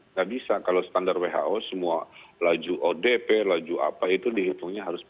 nggak bisa kalau standar who semua laju odp laju apa itu dihitungnya harus berapa